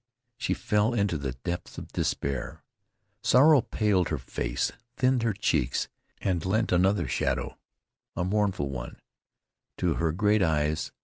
She fell into the depths of despair. Sorrow paled her face, thinned her cheeks and lent another shadow, a mournful one, to her great eyes.